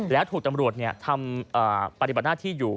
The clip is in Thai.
แล้วถูกตำรวจทำปฏิบัติหน้าที่อยู่